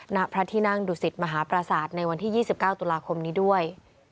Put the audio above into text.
ณพระที่นั่งดุสิตมหาปราศาสตร์ในวันที่๒๙ตุลาคมนี้ด้วย